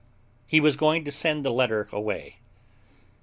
He was going to send the letter away.